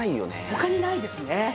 他にないですね